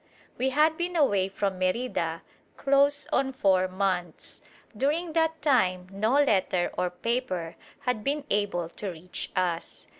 We had been away from Merida close on four months. During that time no letter or paper had been able to reach us.